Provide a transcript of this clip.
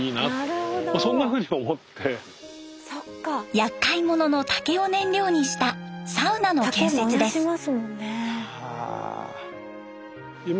やっかいものの竹を燃料にしたサウナの建設です。